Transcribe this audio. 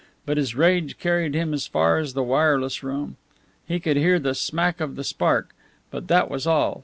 But his rage carried him as far as the wireless room. He could hear the smack of the spark, but that was all.